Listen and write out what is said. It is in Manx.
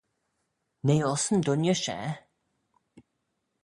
Nee uss yn dooinney share?